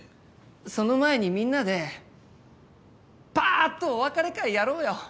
その前にみんなでパーッとお別れ会やろうよ。